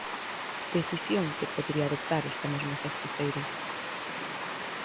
Decisión que podería adoptar esta mesma sexta feira.